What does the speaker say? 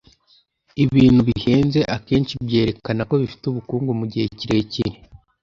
ibintu bihenze akenshi byerekana ko bifite ubukungu mugihe kirekire